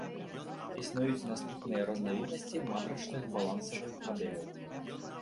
Існуюць наступныя разнавіднасці матрычных балансавых мадэляў.